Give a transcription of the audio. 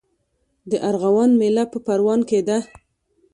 د ارغوان میله په پروان کې ده.